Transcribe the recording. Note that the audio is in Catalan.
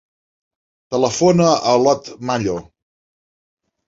Telefona a l'Ot Mallo.